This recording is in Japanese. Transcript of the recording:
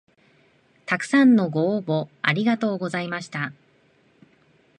たくさんのご応募ありがとうございました